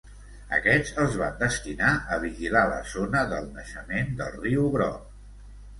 Aquests els van destinar a vigilar la zona del naixement del riu Groc.